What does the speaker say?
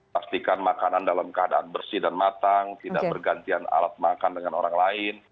pastikan makanan dalam keadaan bersih dan matang tidak bergantian alat makan dengan orang lain